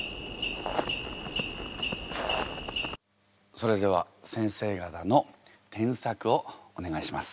それでは先生方の添削をお願いします。